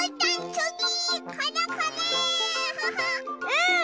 うん！